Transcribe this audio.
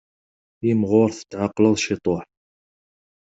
Imɣur tetεeqqleḍ ciṭuḥ.